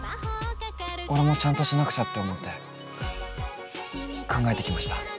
俺もちゃんとしなくちゃって思って考えてきました。